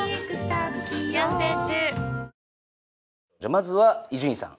まずは伊集院さん